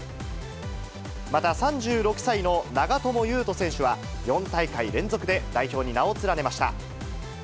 また、３６歳の長友佑都選手は、４大会連続で代表に名を連ねました。